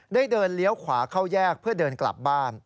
เดินเลี้ยวขวาเข้าแยกเพื่อเดินกลับบ้าน